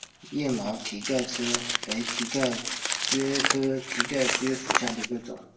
腺毛蹄盖蕨为蹄盖蕨科蹄盖蕨属下的一个种。